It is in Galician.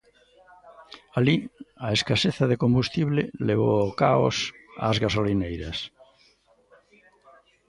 Alí, a escaseza de combustible levou o caos ás gasolineiras.